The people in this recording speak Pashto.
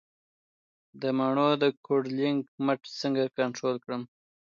د مڼو د کوډلینګ مټ څنګه کنټرول کړم؟